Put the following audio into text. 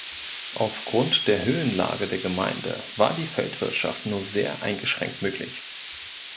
Aufgrund der Höhenlage der Gemeinde war die Feldwirtschaft nur sehr eingeschränkt möglich.